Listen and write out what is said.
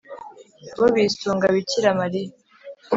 bo bisunga bikira mariya